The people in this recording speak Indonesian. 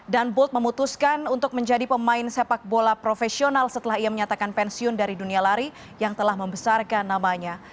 dan bolt memutuskan untuk menjadi pemain sepak bola profesional setelah ia menyatakan pensiun dari dunia lari yang telah membesarkan namanya